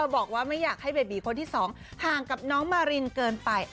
บอกว่าไม่อยากให้เบบีคนที่๒ห่างกับน้องมารินเกินไป